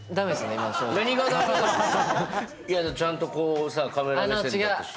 いやちゃんとこうさカメラ目線だったし。